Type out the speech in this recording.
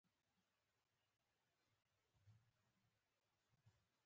ضد او نقیض معلومات راکوي.